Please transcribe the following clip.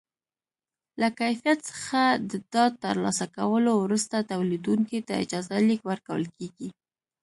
له کیفیت څخه د ډاډ ترلاسه کولو وروسته تولیدوونکي ته اجازه لیک ورکول کېږي.